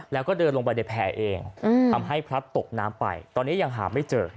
แล้วก็เดินลงไปในแผ่เองทำให้พลัดตกน้ำไปตอนนี้ยังหาไม่เจอ